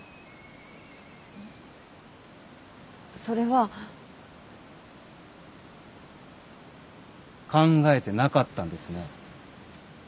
そっそれは。考えてなかったんですね。